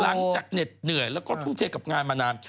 หลังจากเหน็ตเหนื่อยแล้วก็พุ่งเทกกับงานมานาน